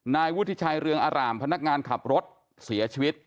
นายวุฒิชัยเรืองอร่ามพนักงานขับรถเสียชีวิต